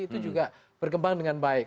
itu juga berkembang dengan baik